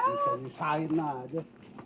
nggak usahin aja